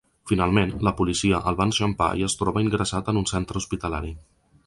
Finalment la policia el va enxampar i es troba ingressat en un centre hospitalari.